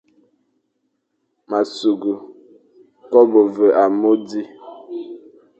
Ma sughé kobe ve amô di,